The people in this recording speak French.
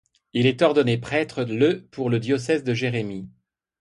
Il est ordonné prêtre le pour le diocèse de Jérémie.